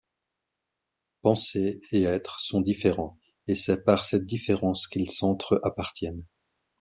Penser et être sont différents et c’est par cette différence qu’ils s’entre-appartiennent.